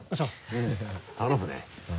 うん頼むね。